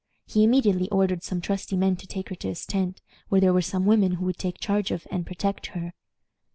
He immediately ordered some trusty men to take her to his tent, where there were some women who would take charge of and protect her.